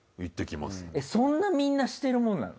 そんなみんなしてるものなの？